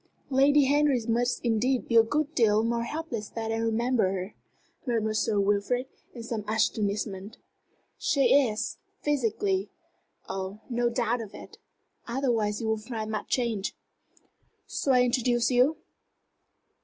"Lady Henry must indeed be a good deal more helpless that I remember her," murmured Sir Wilfrid, in some astonishment. "She is, physically. Oh, no doubt of it! Otherwise you won't find much change. Shall I introduce you?"